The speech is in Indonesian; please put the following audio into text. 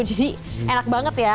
jadi enak banget ya